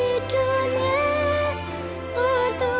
untuk membuah diriku